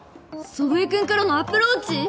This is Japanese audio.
祖父江君からのアプローチ？